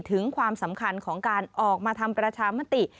ถึงความสำคัญของการออกมาทำประชามติ